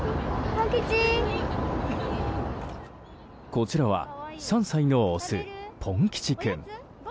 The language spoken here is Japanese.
こちらは３歳のオスポン吉くん。